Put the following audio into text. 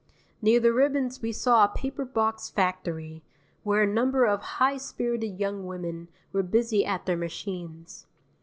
Near the ribbons we saw a paper box factory, where a number of high spirited young women were busy at their machines.